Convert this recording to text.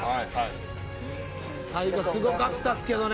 すごかったですけどね